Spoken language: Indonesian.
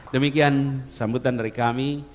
demikian sambutan dari kami